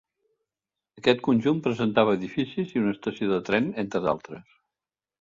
Aquest conjunt presentava edificis i una estació de tren, entre altres.